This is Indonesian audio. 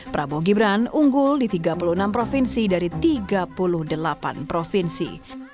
prabowo gibran unggul di tiga puluh enam provinsi dari tiga puluh delapan provinsi